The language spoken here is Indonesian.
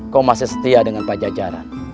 kau masih setia dengan pak jajaran